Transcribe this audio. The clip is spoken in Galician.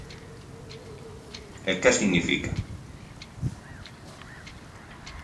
E que significa?